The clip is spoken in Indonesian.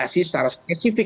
mereka tidak memilih pkk